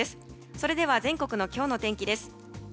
それでは全国の今日の天気です。